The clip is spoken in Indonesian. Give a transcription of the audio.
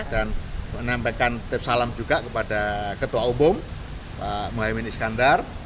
dan menampilkan tip salam juga kepada ketua umum pak muhyiddin iskandar